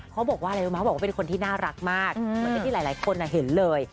เขาบอกว่าอะไรรู้มั้บอกว่าเป็นคนที่น่ารักมากเหมือนกับที่หลายคนเห็นเลย